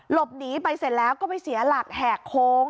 หลบหนีไปเสร็จแล้วก็ไปเสียหลักแหกโค้ง